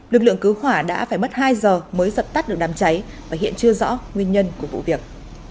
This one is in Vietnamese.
lực lượng cứu hỏa đã phải mất hai giờ mới dập tắt được đám cháy và hiện chưa rõ nguyên nhân của vụ việc